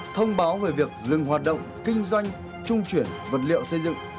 thông báo về việc dừng hoạt động kinh doanh trung chuyển vật liệu xây dựng